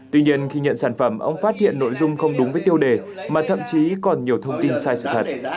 tuy nhiên khi nhận sản phẩm ông phát hiện nội dung không đúng với tiêu đề mà thậm chí còn nhiều thông tin sai sự thật